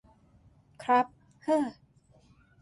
ครับ เฮ่อ